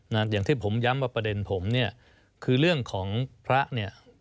อย่างที่ผมย้ำว่าประเด็นผมเนี่ยคือเรื่องของพระเนี่ย